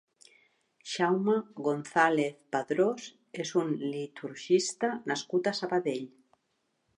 Jaume González Padrós és un liturgista nascut a Sabadell.